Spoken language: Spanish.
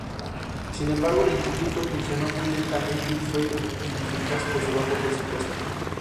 Las fiestas de esta localidad son las de san Pedro y san Valentín.